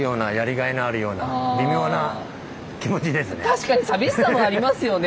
確かに寂しさもありますよね。